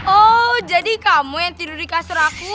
oh jadi kamu yang tidur di kasur aku